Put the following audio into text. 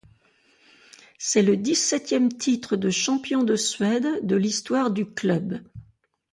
C'est le dix-septième titre de champion de Suède de l'histoire du club.